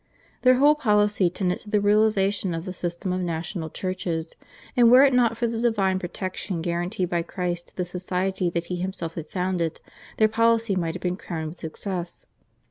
Their whole policy tended to the realisation of the system of national churches, and were it not for the divine protection guaranteed by Christ to the society that He Himself had founded, their policy might have been crowned with success.